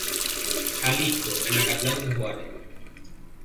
Jalisco, en Acatlán de Juárez.